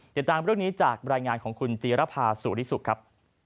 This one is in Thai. ติดตามเรื่องนี้จากรายงานของคุณจีรภาสุริสุขครับ